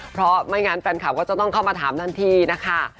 เพราะไม่งั้นแฟนคลับก็จะต้องเข้ามาถามทันทีนะคะ